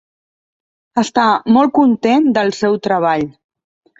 Està molt content del seu treball.